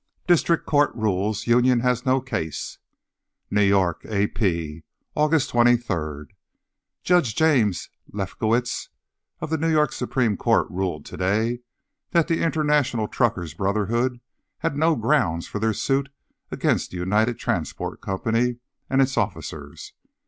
DISTRICT COURT RULES UNION HAS NO CASE New York [AP], August 23. Judge James Lefkowitz of the New York Supreme Court ruled today that the International Truckers' Brotherhood had no grounds for their suit against the United Transport Corp. and its officers.